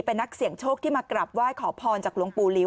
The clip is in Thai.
เป็นนักเสี่ยงโชคที่มากราบไหว้ขอพรจากหลวงปู่ลิ้